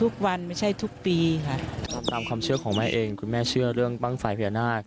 คุณแม่เชื่อของแม่เองคุณแม่เชื่อเรื่องบ้างฝ่ายพญานาค